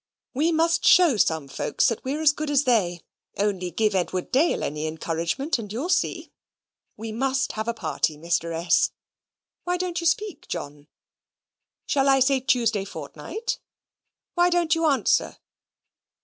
We must show some folks that we're as good as they. Only give Edward Dale any encouragement, and you'll see. We must have a party, Mr. S. Why don't you speak, John? Shall I say Tuesday fortnight? Why don't you answer?